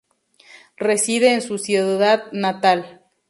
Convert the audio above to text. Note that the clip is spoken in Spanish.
Reside en su ciudad natal.